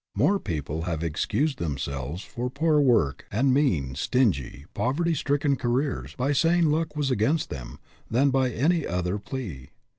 More people have excused themselves for poor work and mean, stingy, poverty stricken careers, by saying " luck was against them " than by any other plea.